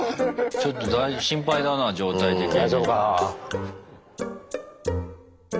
ちょっと心配だな状態的に。